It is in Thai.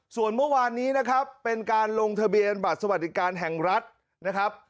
ส่วนเมื่อวานนี้นะครับเป็นการลงทะเบียนบัตรสวัสดิการแห่งรัฐนะครับ